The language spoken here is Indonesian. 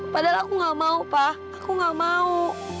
padahal aku gak mau pak aku gak mau